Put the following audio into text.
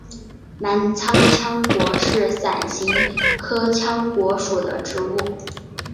澜沧羌活是伞形科羌活属的植物。